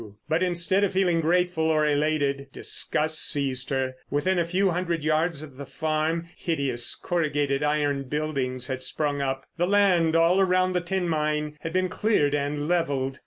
But instead of feeling grateful or elated, disgust seized her. Within a few hundred yards of the farm, hideous corrugated iron buildings had sprung up; the land all around the tin mine had been cleared and levelled.